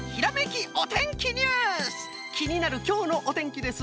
きになるきょうのおてんきです。